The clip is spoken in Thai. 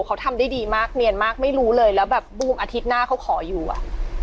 เขาทำได้ดีมากเนียนมากไม่รู้เลยแล้วแบบบูมอาทิตย์หน้าเขาขออยู่อ่ะ